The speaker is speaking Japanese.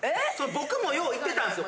僕もよう行ってたんすよ。